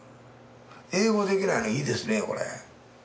英語できないのいいですねこれ。